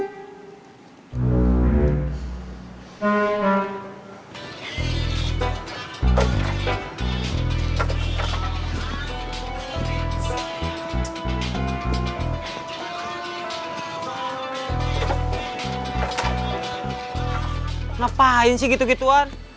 kenapa sih gitu gituan